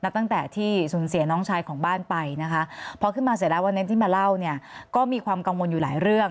ตั้งแต่ที่สูญเสียน้องชายของบ้านไปนะคะพอขึ้นมาเสร็จแล้ววันนั้นที่มาเล่าเนี่ยก็มีความกังวลอยู่หลายเรื่อง